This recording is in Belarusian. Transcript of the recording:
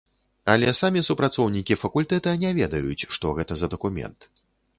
Але самі супрацоўнікі факультэта не ведаюць, што гэта за дакумент.